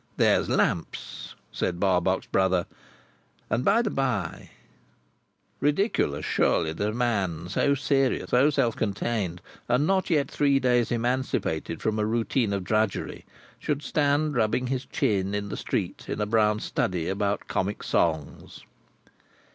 "There's Lamps!" said Barbox Brother. "And by the by—" Ridiculous, surely, that a man so serious, so self contained, and not yet three days emancipated from a routine of drudgery, should stand rubbing his chin in the street, in a brown study about Comic Songs.